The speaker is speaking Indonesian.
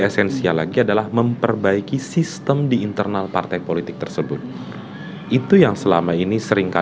esensial lagi adalah memperbaiki sistem di internal partai politik tersebut itu yang selama ini seringkali